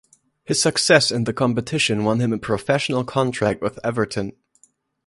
His success in the competition won him a professional contract with Everton.